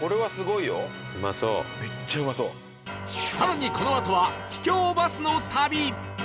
更にこのあとは秘境バスの旅